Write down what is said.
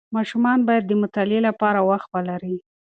ماشومان باید د مطالعې لپاره وخت ولري.